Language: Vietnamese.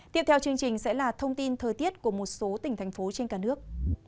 tiếp theo chương trình sẽ là thông tin thời tiết của một số tỉnh thành phố trên cả nước